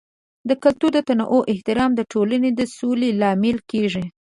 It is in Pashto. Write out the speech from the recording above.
د کلتور د تنوع احترام د ټولنې د سولې لامل کیږي.